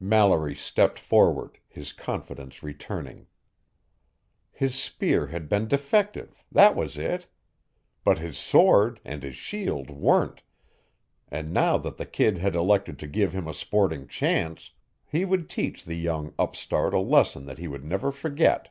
Mallory stepped forward, his confidence returning. His spear had been defective that was it. But his sword and his shield weren't, and now that the kid had elected to give him a sporting chance, he would teach the young upstart a lesson that he would never forget.